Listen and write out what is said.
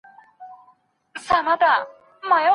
که انلاین درسونه وي، نو تګ ته اړتیا نه وي.